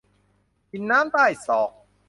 กินน้ำใต้ศอก